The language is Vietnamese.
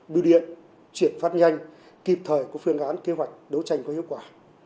biêu điện chuyển phát nhanh kịp thời có phương án kế hoạch đấu tranh có hiệu quả